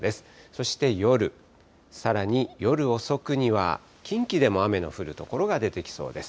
そして夜、さらに夜遅くには近畿でも雨の降る所が出てきそうです。